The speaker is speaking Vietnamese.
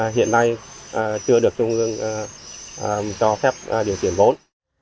hiện nay chưa được trung ương cho phép điều chuyển vốn